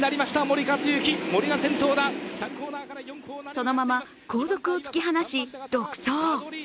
そのまま後続を突き放し、独走。